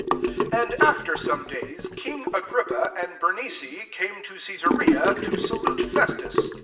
13 And aft^ some daysy king Ag^ippa and Bemioicame to Caesarea to salute Festua.